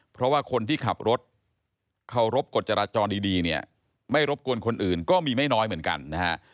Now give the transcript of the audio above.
เพราะว่าคนที่ขับรถเคารพกฎจราจรดีเนี่ยไม่รบกวนคนอื่นก็มีไม่น้อยเหมือนกันนะฮะ